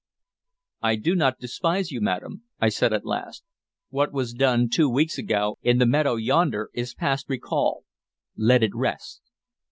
"I do not despise you, madam," I said at last. "What was done two weeks ago in the meadow yonder is past recall. Let it rest.